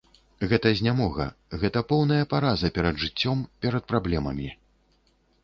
Гэта знямога, гэта поўная параза перад жыццём, перад праблемамі.